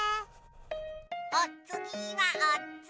「おつぎはおつぎは」